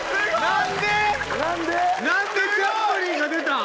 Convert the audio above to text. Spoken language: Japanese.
なんでチャップリンが出たん？